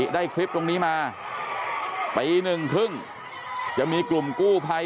ได้คลิปตรงนี้มาปี๑๓๐จะมีกลุ่มกู้ไพ